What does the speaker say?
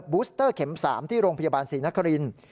บูสเตอร์เข็ม๓ที่โรงพยาบาลศรีนครินทร์